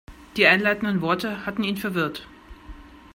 Die einleitenden Worte hatten ihn verwirrt.